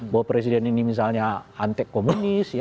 bahwa presiden ini misalnya antek komunis